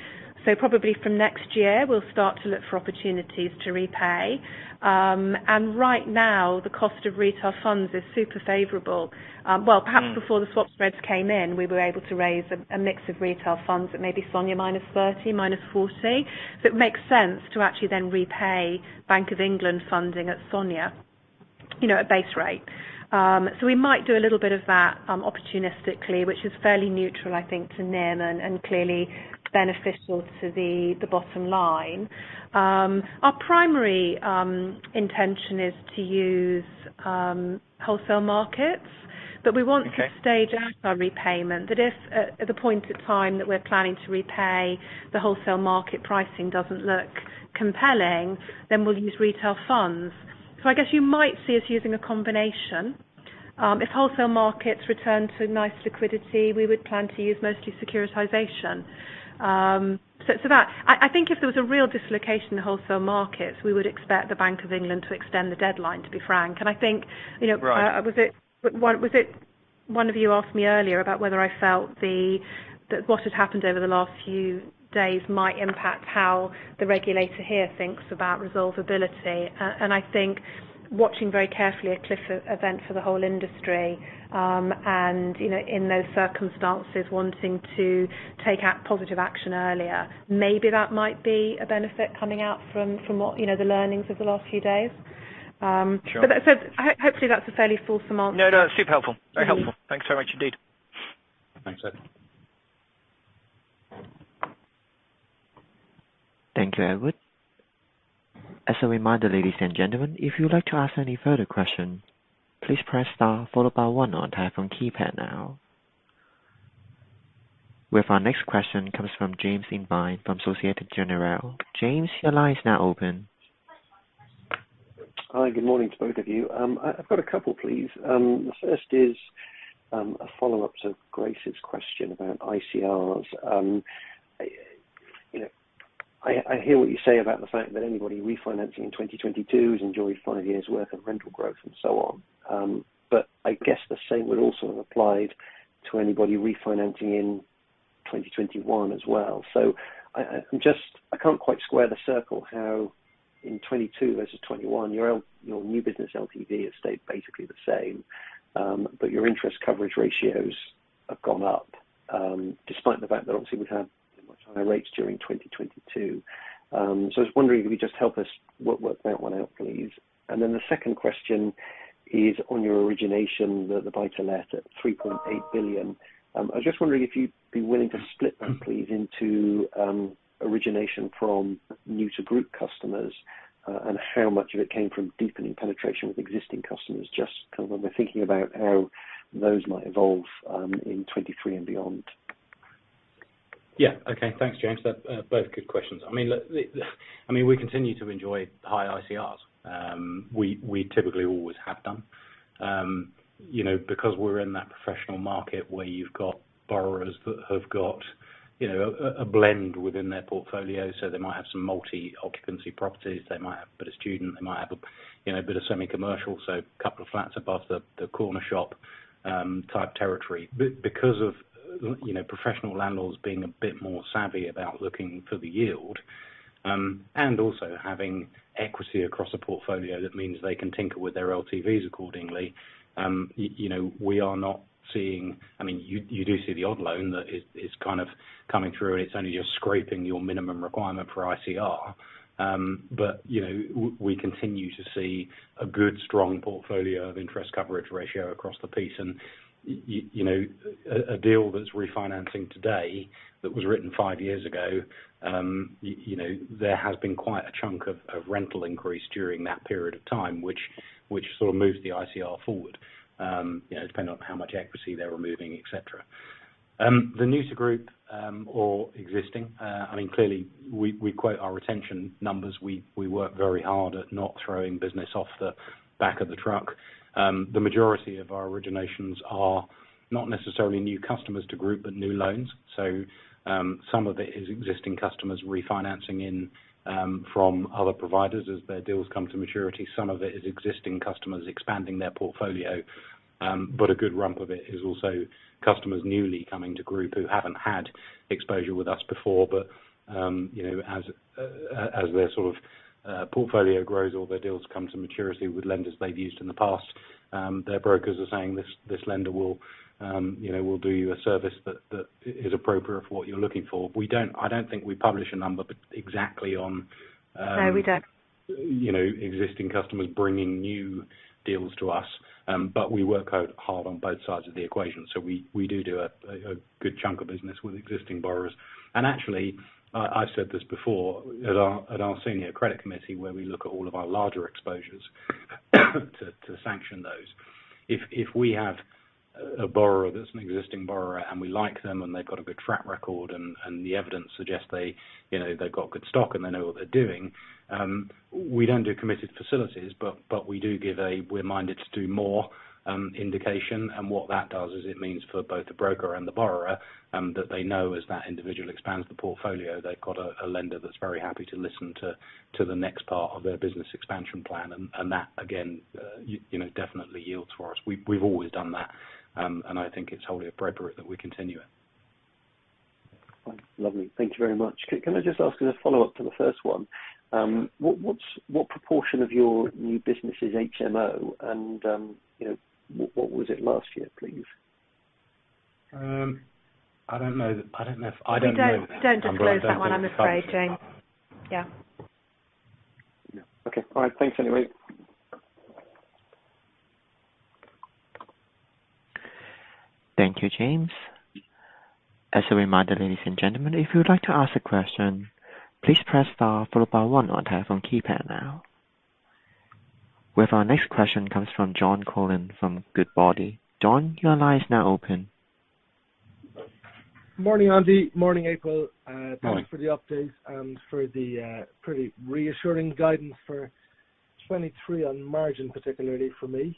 Speaker 3: Probably from next year, we'll start to look for opportunities to repay. Right now, the cost of retail funds is super favorable. Well, perhaps before the swap spreads came in, we were able to raise a mix of retail funds at maybe SONIA -30, -40. It makes sense to actually then repay Bank of England funding at SONIA, you know, at base rate. We might do a little bit of that opportunistically, which is fairly neutral, I think, to NIM and clearly beneficial to the bottom line. Our primary intention is to use wholesale markets.
Speaker 6: Okay.
Speaker 3: We want to stage out our repayment that if at the point of time that we're planning to repay the wholesale market pricing doesn't look compelling, then we'll use retail funds. I guess you might see us using a combination. If wholesale markets return to nice liquidity, we would plan to use mostly securitization. I think if there was a real dislocation in the wholesale markets, we would expect the Bank of England to extend the deadline, to be frank. I think, you know.
Speaker 6: Right.
Speaker 3: Was it one of you asked me earlier about whether I felt that what had happened over the last few days might impact how the regulator here thinks about resolvability. I think watching very carefully a cliff event for the whole industry, and, you know, in those circumstances, wanting to take a positive action earlier, maybe that might be a benefit coming out from what, you know, the learnings of the last few days.
Speaker 6: Sure.
Speaker 3: Hopefully that's a fairly full response.
Speaker 6: No, no, super helpful. Very helpful. Thanks very much indeed.
Speaker 2: Thanks, Ed.
Speaker 1: Thank you, Edward. As a reminder, ladies and gentlemen, if you'd like to ask any further question, please press star followed by one on your telephone keypad now. With our next question comes from James Invine from Société Générale. James, your line is now open.
Speaker 7: Hi, good morning to both of you. I've got a couple, please. The first is a follow-up to Grace's question about ICRs. You know, I hear what you say about the fact that anybody refinancing in 2022 has enjoyed five years' worth of rental growth and so on. I guess the same would also have applied to anybody refinancing in 2021 as well. I'm just I can't quite square the circle how in 2022 versus 2021, your new business LTV has stayed basically the same, but your interest coverage ratios have gone up, despite the fact that obviously we've had much higher rates during 2022. I was wondering if you could just help us work that one out, please. The second question is on your origination, the buy-to-let at 3.8 billion. I was just wondering if you'd be willing to split that please into origination from new to Group customers, and how much of it came from deepening penetration with existing customers, just kind of when we're thinking about how those might evolve, in 2023 and beyond.
Speaker 2: Yeah. Okay. Thanks, James. Both good questions. I mean, we continue to enjoy high ICRs. We, we typically always have done. You know, because we're in that professional market where you've got borrowers that have got, you know, a blend within their portfolio, so they might have some multi-occupancy properties, they might have a bit of student, they might have a, you know, a bit of semi-commercial, so a couple of flats above the corner shop, type territory. Because of, you know, professional landlords being a bit more savvy about looking for the yield, and also having equity across a portfolio, that means they can tinker with their LTVs accordingly. You know, we are not seeing... I mean, you do see the odd loan that is kind of coming through, and it's only just scraping your minimum requirement for ICR. You know, we continue to see a good strong portfolio of interest coverage ratio across the piece. You know, a deal that's refinancing today that was written five years ago, you know, there has been quite a chunk of rental increase during that period of time, which sort of moves the ICR forward, you know, depending on how much equity they're removing, et cetera. The new to group or existing, I mean, clearly we quote our retention numbers. We work very hard at not throwing business off the back of the truck. The majority of our originations are not necessarily new customers to group, but new loans. Some of it is existing customers refinancing in from other providers as their deals come to maturity. Some of it is existing customers expanding their portfolio. But a good rump of it is also customers newly coming to Group who haven't had exposure with us before. You know, as their sort of portfolio grows or their deals come to maturity with lenders they've used in the past. Their brokers are saying this lender will, you know, will do you a service that is appropriate for what you're looking for. I don't think we publish a number exactly on.
Speaker 3: No, we don't.
Speaker 2: You know, existing customers bringing new deals to us. We work out hard on both sides of the equation. We do a good chunk of business with existing borrowers. Actually, I've said this before. At our senior credit committee, where we look at all of our larger exposures to sanction those. If we have a borrower that's an existing borrower and we like them and they've got a good track record, and the evidence suggests they, you know, they've got good stock and they know what they're doing. We don't do committed facilities, but we do give a we're minded to do more indication. What that does is it means for both the broker and the borrower, that they know as that individual expands the portfolio, they've got a lender that's very happy to listen to the next part of their business expansion plan. That again, you know, definitely yields for us. We've always done that. I think it's wholly appropriate that we continue it.
Speaker 7: Fine. Lovely. Thank you very much. Can I just ask as a follow-up to the first one? What proportion of your new business is HMO and, you know, what was it last year, please?
Speaker 2: I don't know if I don't know that.
Speaker 3: We don't disclose that one, I'm afraid, James. Yeah.
Speaker 7: Yeah. Okay. All right. Thanks anyway.
Speaker 1: Thank you, James. As a reminder, ladies and gentlemen, if you would like to ask a question, please press star followed by one on your telephone keypad now. With our next question comes from John Cronin from Goodbody. John, your line is now open.
Speaker 8: Morning, Andy. Morning, April.
Speaker 2: Morning.
Speaker 8: Thank you for the update and for the pretty reassuring guidance for 2023 on margin, particularly for me.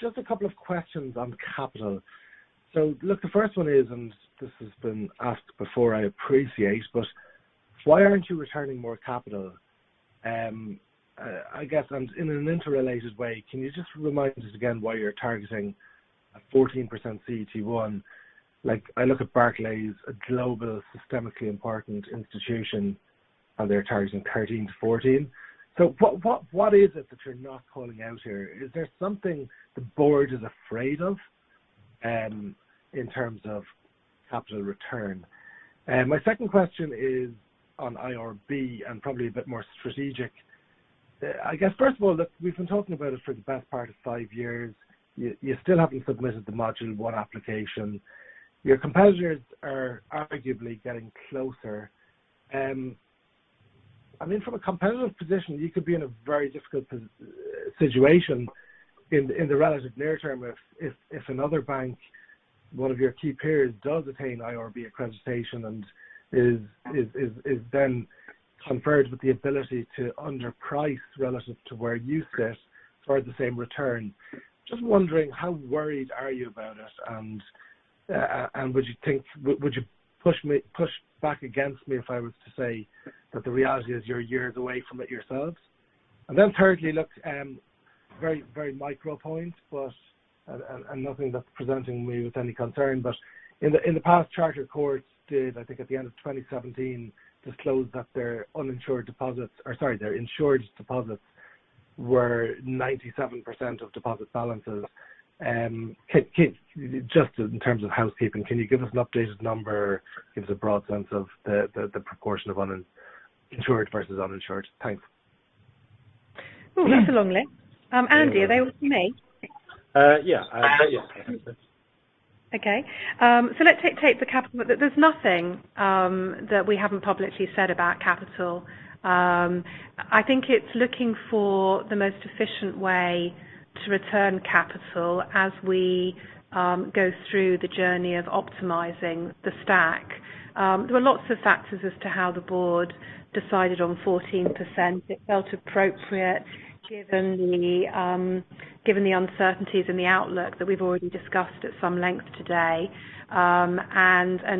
Speaker 8: Just a couple of questions on capital. Look, the first one is, this has been asked before, I appreciate, why aren't you returning more capital? I guess, in an interrelated way, can you just remind us again why you're targeting a 14% CET1? Like, I look at Barclays, a global systemically important institution, they're targeting 13%-14%. What is it that you're not calling out here? Is there something the board is afraid of in terms of capital return? My second question is on IRB probably a bit more strategic. I guess first of all, look, we've been talking about it for the best part of five years. You still haven't submitted the Module One application. Your competitors are arguably getting closer. I mean, from a competitive position, you could be in a very difficult situation in the relative near term if another bank, one of your key peers does attain IRB accreditation and is then conferred with the ability to underprice relative to where you sit for the same return. Just wondering how worried are you about it? Would you think push back against me if I was to say that the reality is you're years away from it yourselves? Thirdly, look, micro point, but nothing that's presenting me with any concern. In the, in the past, Charter Court did, I think at the end of 2017, disclose that their uninsured deposits or sorry, their insured deposits were 97% of deposit balances. Just in terms of housekeeping, can you give us an updated number? Give us a broad sense of the, the proportion of insured versus uninsured. Thanks.
Speaker 3: Ooh, that's a long list. Andy, are they all for me?
Speaker 2: Yeah.
Speaker 8: Yeah.
Speaker 3: Okay. Let's take the capital. There's nothing that we haven't publicly said about capital. I think it's looking for the most efficient way to return capital as we go through the journey of optimizing the stack. There were lots of factors as to how the board decided on 14%. It felt appropriate given the given the uncertainties in the outlook that we've already discussed at some length today.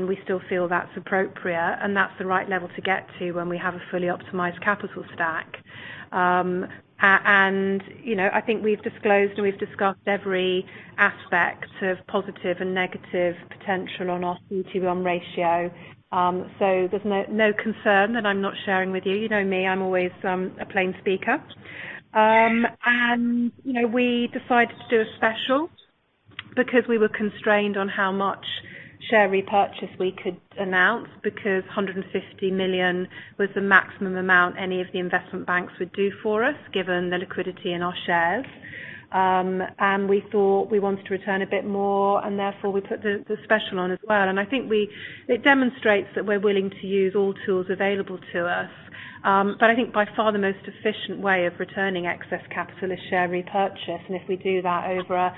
Speaker 3: We still feel that's appropriate, and that's the right level to get to when we have a fully optimized capital stack. You know, I think we've disclosed, and we've discussed every aspect of positive and negative potential on our CET1 ratio. There's no concern that I'm not sharing with you. You know me, I'm always a plain speaker. You know, we decided to do a special because we were constrained on how much share repurchase we could announce because 150 million was the maximum amount any of the investment banks would do for us, given the liquidity in our shares. We thought we wanted to return a bit more, and therefore we put the special on as well. It demonstrates that we're willing to use all tools available to us. I think by far the most efficient way of returning excess capital is share repurchase. If we do that over a,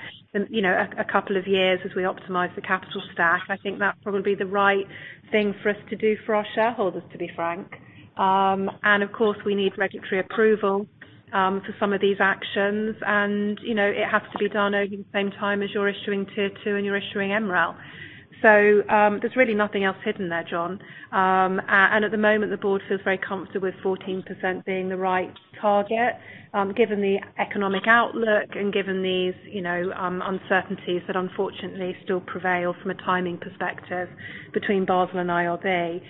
Speaker 3: you know, a couple of years as we optimize the capital stack, I think that's probably the right thing for us to do for our shareholders, to be frank. Of course, we need regulatory approval for some of these actions. You know, it has to be done over the same time as you're issuing Tier 2 and you're issuing MREL. There's really nothing else hidden there, John. At the moment, the board feels very comfortable with 14% being the right target given the economic outlook and given these, you know, uncertainties that unfortunately still prevail from a timing perspective between Basel and IRB.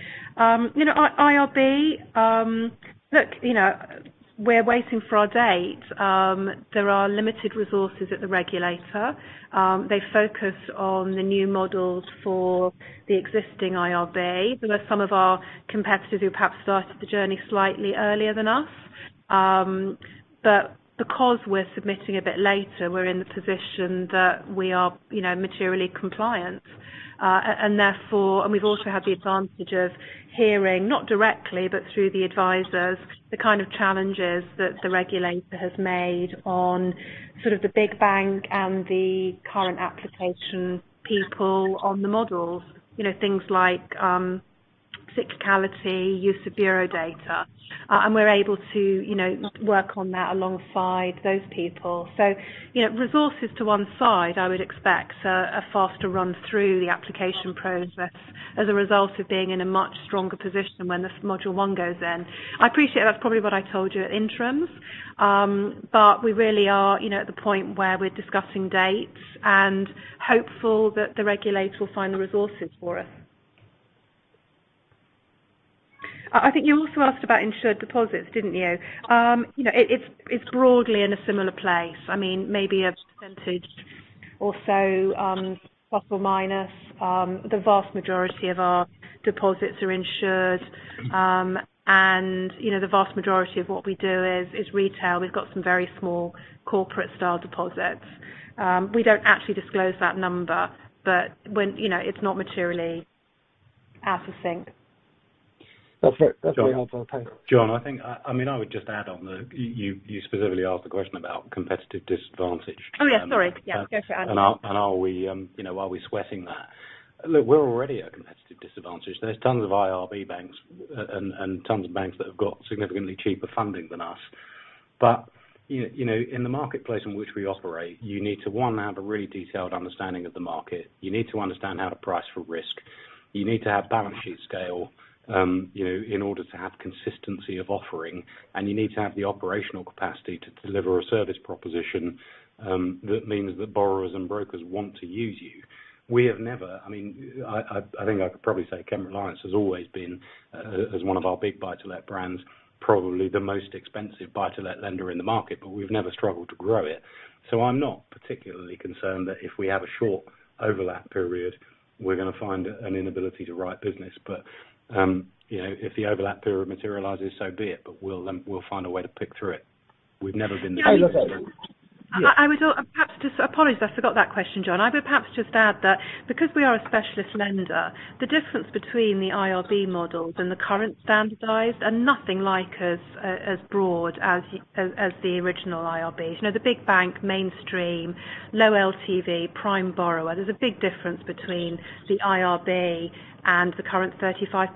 Speaker 3: You know, IRB, look, you know, we're waiting for our date. There are limited resources at the regulator. They focus on the new models for the existing IRB, whereas some of our competitors who perhaps started the journey slightly earlier than us. Because we're submitting a bit later, we're in the position that we are, you know, materially compliant. Therefore. We've also had the advantage of hearing, not directly, but through the advisors, the kind of challenges that the regulator has made on sort of the big bank and the current application people on the models. You know, things like cyclicality, use of bureau data. We're able to, you know, work on that alongside those people. You know, resources to one side, I would expect a faster run through the application process as a result of being in a much stronger position when this Module One goes in. I appreciate that's probably what I told you at interims. We really are, you know, at the point where we're discussing dates and hopeful that the regulator will find the resources for us. I think you also asked about insured deposits, didn't you? You know, it's, it's broadly in a similar place. I mean, maybe a percentage or so, plus or minus, the vast majority of our deposits are insured. You know, the vast majority of what we do is retail. We've got some very small corporate style deposits. We don't actually disclose that number, but you know, it's not materially out of sync.
Speaker 8: That's it. That's really helpful. Thanks.
Speaker 2: John, I mean, I would just add on that you specifically asked the question about competitive disadvantage.
Speaker 3: Oh, yeah. Sorry. Yeah. Go for it.
Speaker 2: Are we, you know, are we sweating that? Look, we're already at a competitive disadvantage. There's tons of IRB banks and tons of banks that have got significantly cheaper funding than us. You know, in the marketplace in which we operate, you need to, one, have a really detailed understanding of the market. You need to understand how to price for risk. You need to have balance sheet scale, you know, in order to have consistency of offering, and you need to have the operational capacity to deliver a service proposition, that means that borrowers and brokers want to use you. We have never. I mean, I think I could probably say Kent Reliance has always been as one of our big buy-to-let brands, probably the most expensive buy-to-let lender in the market, but we've never struggled to grow it. I'm not particularly concerned that if we have a short overlap period, we're gonna find an inability to write business. You know, if the overlap period materializes, so be it, but we'll then we'll find a way to pick through it. We've never been. Yeah.
Speaker 3: I would perhaps just apologize, I forgot that question, John. I would perhaps just add that because we are a specialist lender, the difference between the IRB models and the current standardized are nothing like as broad as the original IRBs. You know, the big bank mainstream, low LTV prime borrower. There's a big difference between the IRB and the current 35%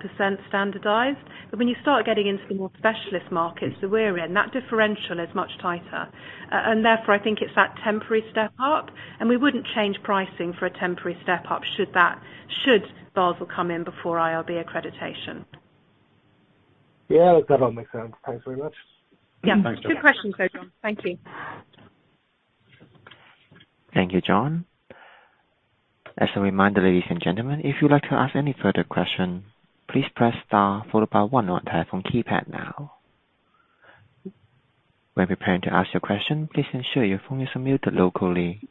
Speaker 3: standardized. When you start getting into the more specialist markets that we're in, that differential is much tighter. Therefore, I think it's that temporary step up, and we wouldn't change pricing for a temporary step up should Basel come in before IRB accreditation.
Speaker 8: Yeah. That all makes sense. Thanks very much.
Speaker 3: Yeah. Good question though, John. Thank you.
Speaker 1: Thank you, John. As a reminder, ladies and gentlemen, if you'd like to ask any further question, please press star followed by one on your telephone keypad now. When preparing to ask your question, please ensure your phone is muted locally.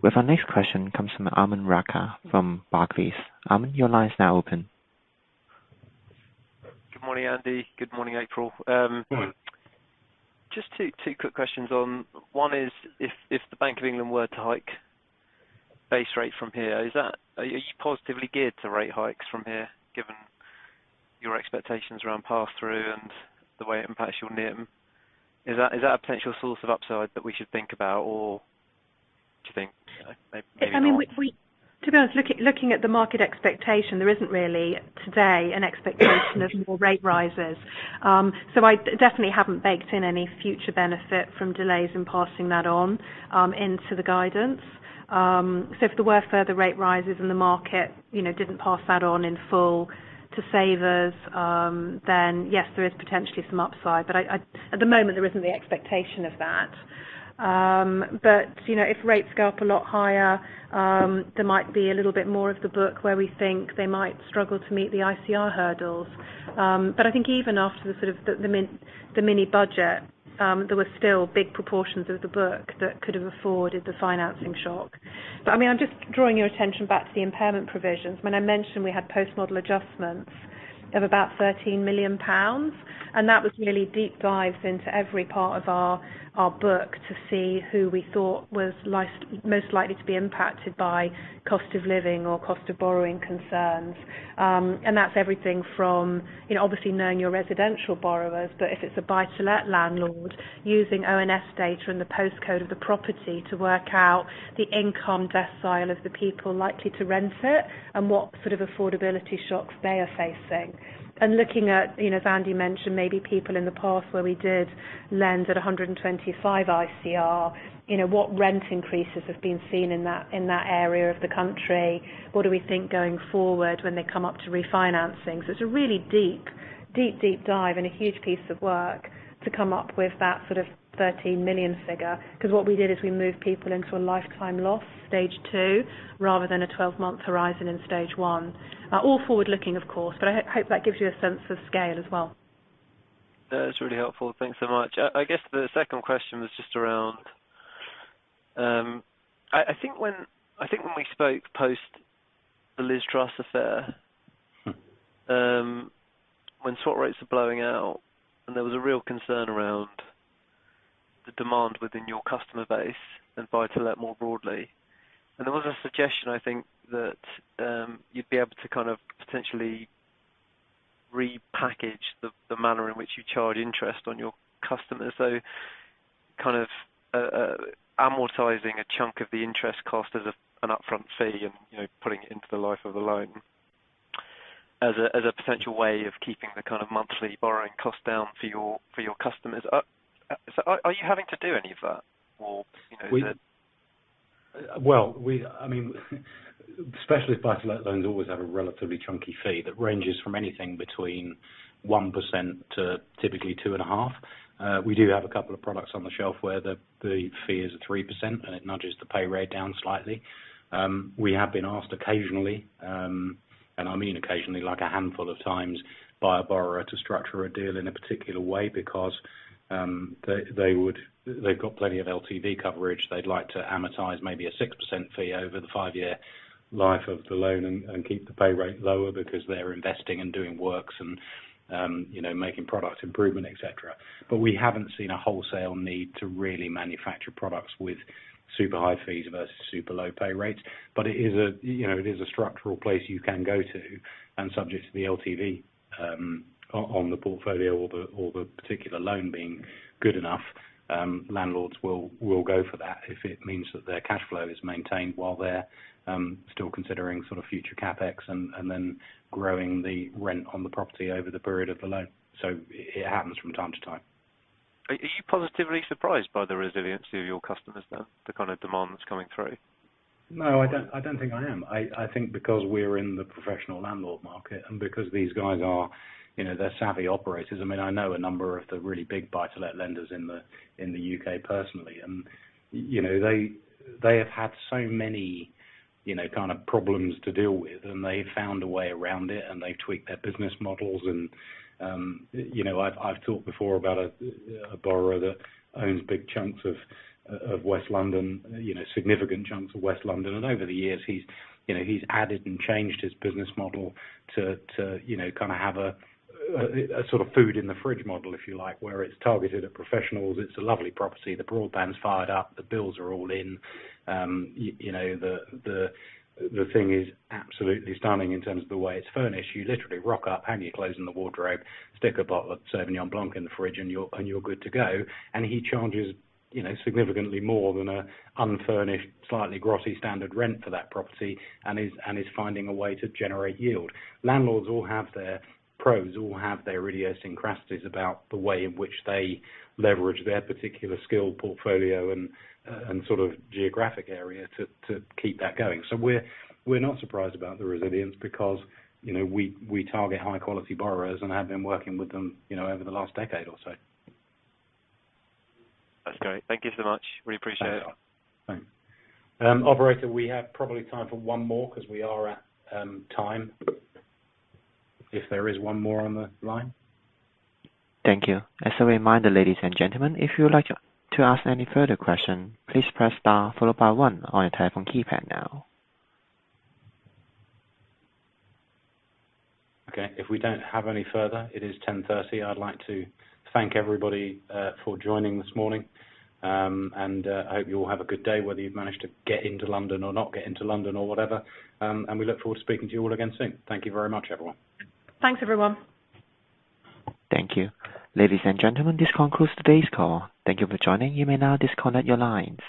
Speaker 1: With our next question comes from Aman Rakkar from Barclays. Aman, your line is now open.
Speaker 9: Good morning, Andy. Good morning, April. Just two quick questions. One is, if the Bank of England were to hike base rate from here, are you positively geared to rate hikes from here, given your expectations around pass-through and the way it impacts your NIM? Is that a potential source of upside that we should think about, or do you think maybe not?
Speaker 3: I mean, we, to be honest, looking at the market expectation, there isn't really today an expectation of more rate rises. I definitely haven't baked in any future benefit from delays in passing that on into the guidance. If there were further rate rises and the market, you know, didn't pass that on in full to savers, then yes, there is potentially some upside. I, at the moment, there isn't the expectation of that. You know, if rates go up a lot higher, there might be a little bit more of the book where we think they might struggle to meet the ICR hurdles. I think even after the sort of the mini budget, there were still big proportions of the book that could have afforded the financing shock. I mean, I'm just drawing your attention back to the impairment provisions. When I mentioned we had post-model adjustments of about 13 million pounds, that was really deep dives into every part of our book to see who we thought was most likely to be impacted by cost of living or cost of borrowing concerns. That's everything from, you know, obviously knowing your residential borrowers, but if it's a buy-to-let landlord, using ONS data and the postcode of the property to work out the income decile of the people likely to rent it and what sort of affordability shocks they are facing. Looking at, you know, as Andy mentioned, maybe people in the past where we did lend at 125 ICR, you know, what rent increases have been seen in that area of the country? What do we think going forward when they come up to refinancing? It's a really deep, deep, deep dive and a huge piece of work to come up with that sort of 13 million figure. 'Cause what we did is we moved people into a lifetime loss, stage 2, rather than a 12-month horizon in stage 1. All forward-looking, of course, but I hope that gives you a sense of scale as well.
Speaker 9: That is really helpful. Thanks so much. I guess the second question was just around I think when we spoke post the Liz Truss affair when sort rates were blowing out, and there was a real concern around the demand within your customer base and buy-to-let more broadly. There was a suggestion, I think, that you'd be able to kind of potentially repackage the manner in which you charge interest on your customers. So kind of amortizing a chunk of the interest cost as an upfront fee and, you know, putting it into the life of the loan as a potential way of keeping the kind of monthly borrowing cost down for your customers. So are you having to do any of that? Or, you know, is it.
Speaker 2: I mean, specialist buy-to-let loans always have a relatively chunky fee that ranges from anything between 1% to typically 2.5%. We do have a couple of products on the shelf where the fee is at 3%, and it nudges the pay rate down slightly. We have been asked occasionally, and I mean occasionally, like a handful of times, by a borrower to structure a deal in a particular way because they've got plenty of LTV coverage. They'd like to amortize maybe a 6% fee over the five-year life of the loan and keep the pay rate lower because they're investing and doing works and, you know, making product improvement, et cetera. We haven't seen a wholesale need to really manufacture products with super high fees versus super low pay rates. It is a, you know, it is a structural place you can go to, and subject to the LTV on the portfolio or the particular loan being good enough, landlords will go for that if it means that their cashflow is maintained while they're still considering sort of future CapEx and then growing the rent on the property over the period of the loan. It happens from time to time.
Speaker 9: Are you positively surprised by the resiliency of your customers, though? The kind of demand that's coming through?
Speaker 2: I don't think I am. I think because we're in the professional landlord market and because these guys are, you know, they're savvy operators. I mean, I know a number of the really big buy-to-let lenders in the U.K. personally, and, you know, they have had so many, you know, kind of problems to deal with, and they've found a way around it, and they've tweaked their business models and, you know, I've talked before about a borrower that owns big chunks of West London, you know, significant chunks of West London, and over the years he's, you know, he's added and changed his business model to, you know, kind of have a sort of food in the fridge model, if you like, where it's targeted at professionals. It's a lovely property. The broadband's fired up. The bills are all in. You know, the thing is absolutely stunning in terms of the way it's furnished. You literally rock up, hang your clothes in the wardrobe, stick a bottle of Sauvignon Blanc in the fridge, and you're good to go. He charges, you know, significantly more than a unfurnished, slightly grotty standard rent for that property and is finding a way to generate yield. Landlords all have their pros, all have their idiosyncrasies about the way in which they leverage their particular skill portfolio and sort of geographic area to keep that going. We're not surprised about the resilience because, you know, we target high quality borrowers and have been working with them, you know, over the last decade or so.
Speaker 9: That's great. Thank you so much. Really appreciate it.
Speaker 2: Thanks a lot. Thanks. Operator, we have probably time for one more, 'cause we are at time. If there is one more on the line.
Speaker 1: Thank you. As a reminder, ladies and gentlemen, if you would like to ask any further question, please press star followed by one on your telephone keypad now.
Speaker 2: Okay, if we don't have any further, it is 10:30. I'd like to thank everybody for joining this morning. I hope you all have a good day whether you've managed to get into London or not get into London or whatever. We look forward to speaking to you all again soon. Thank you very much, everyone.
Speaker 3: Thanks, everyone.
Speaker 1: Thank you. Ladies and gentlemen, this concludes today's call. Thank you for joining. You may now disconnect your lines.